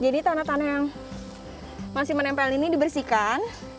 jadi tanah tanah yang masih menempel ini dibersihkan